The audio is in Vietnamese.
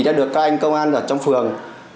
đã được các anh công an ở trong phường